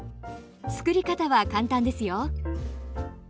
つくり方は簡単ですよ。